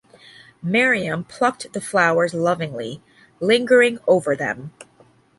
Miriam plucked the flowers lovingly, lingering over them.